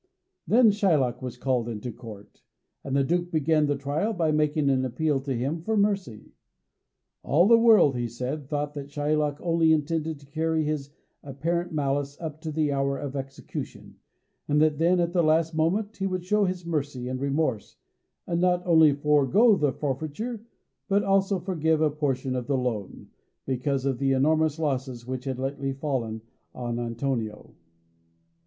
Then Shylock was called into court, and the Duke began the trial by making an appeal to him for mercy. All the world, he said, thought that Shylock only intended to carry his apparent malice up to the hour of execution, and that then, at the last moment, he would show his mercy and remorse, and not only forego the forfeiture, but also forgive a portion of the loan, because of the enormous losses which had lately fallen on Antonio.